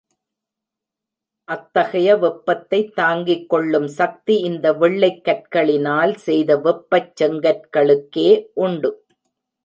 அத்தகைய வெப்பத்தைத் தாங்கிக் கொள்ளும் சக்தி இந்த வெள்ளைக் கற்களினால் செய்த வெப்பச் செங்கற்க ளுக்கே உண்டு.